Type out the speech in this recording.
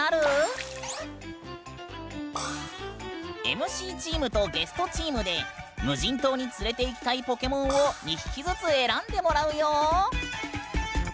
ＭＣチームとゲストチームで無人島に連れていきたいポケモンを２匹ずつ選んでもらうよ！